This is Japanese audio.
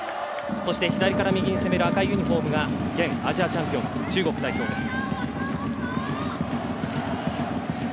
そして左から右に攻める赤いユニホームが現アジアチャンピオンの中国代表です。